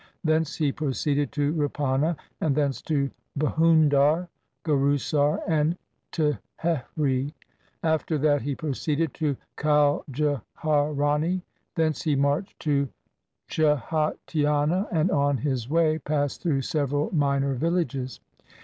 Thence he proceeded to Rupana and thence to Bhundar, Gurusar, and Thehri. After that he pro ceeded to Kaljharani. Thence he marched to Chhatiana and on his way passed through several minor villages.